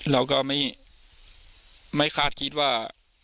เราก็ไม่คาดคิดว่า